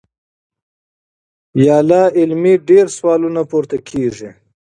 يا لا علمۍ ډېر سوالونه پورته کيږي -